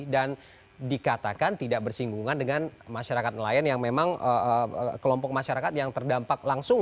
dan dikatakan tidak bersinggungan dengan masyarakat nelayan yang memang kelompok masyarakat yang terdampak langsung